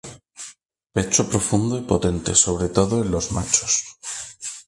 Pecho profundo y potente, sobre todo en los machos.